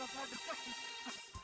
nah anda panggil